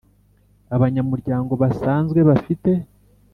Abanyamuryango basanzwe bafite